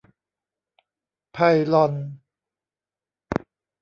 ไพลอน